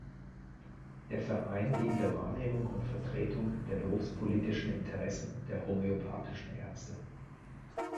Der Verein dient der Wahrnehmung und Vertretung der berufspolitischen Interessen der homöopathischen Ärzte.